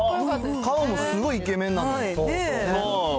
顔もすごいイケメンですよね。